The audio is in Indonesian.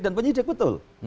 dan penyidik betul